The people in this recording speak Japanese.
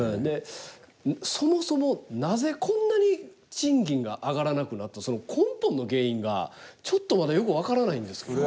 そもそもなぜこんなに賃金が上がらなくなったその根本の原因がちょっとまだよく分からないんですけど。